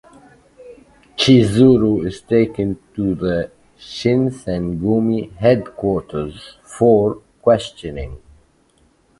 Chizuru is taken to the Shinsengumi headquarters for questioning.